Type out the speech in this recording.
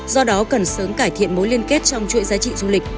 do đó cần sớm cải thiện mối liên kết trong chuỗi giá trị du lịch